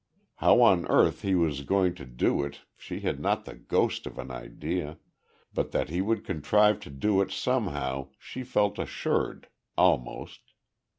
How on earth he was going to do it she had not the ghost of an idea, but that he would contrive to do it somehow, she felt assured almost.